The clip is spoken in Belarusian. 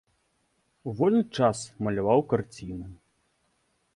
У вольны час маляваў карціны.